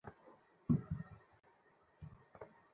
এমনকি স্বপ্নেও নয়।